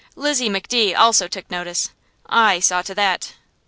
Lizzie McDee also took notice. I saw to that.